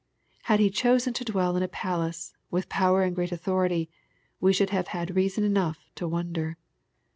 Had He chosen to dwell in a palace, with power and great authority, we should have had reason enough to wonder.